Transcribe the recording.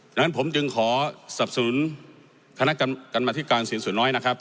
ฉะนั้นผมจึงขอสับสนุนคณะกรรมธิการเสียงส่วนน้อยนะครับ